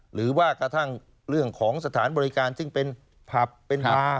หรือว่ากระทั่งเรื่องของสถานบริการซึ่งเป็นผับเป็นบาร์